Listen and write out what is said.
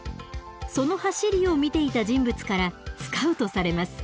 その走りを見ていた人物からスカウトされます。